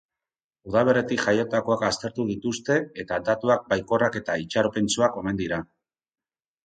Udaberritik jaiotakoak aztertu dituzte eta datuak baikorrak eta itxaropentsuak omen dira.